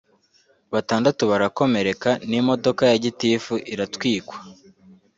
batandatu barakomereka n’imodoka ya gitifu iratwikwa